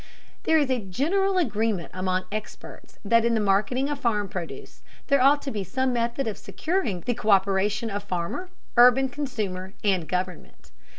There is a general agreement among experts that in the marketing of farm produce there ought to be some method of securing the co÷peration of farmer, urban consumer, and government.